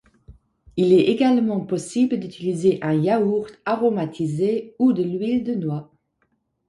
Il est également possible d'utiliser un yaourt aromatisé ou de l'huile de noix.